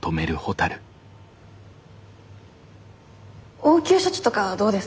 応急処置とかはどうですか？